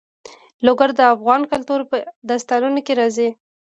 لوگر د افغان کلتور په داستانونو کې راځي.